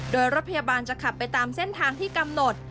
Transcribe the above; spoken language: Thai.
โดยรถพยาบาลจะขับไปตามเส้นทางที่กำหนด